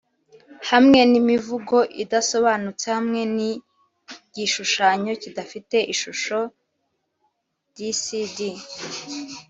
hamwe nimivugo idasobanutse hamwe nigishushanyo kidafite ishusho dec'd,